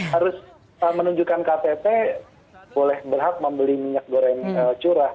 harus menunjukkan ktp boleh berhak membeli minyak goreng curah